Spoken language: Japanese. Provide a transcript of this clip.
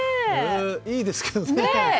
いいですけどね。